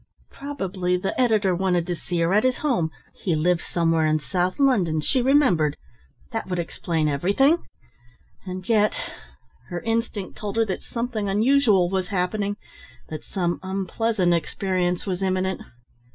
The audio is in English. Probably the editor wanted to see her at his home, he lived somewhere in South London, she remembered. That would explain everything. And yet her instinct told her that something unusual was happening, that some unpleasant experience was imminent.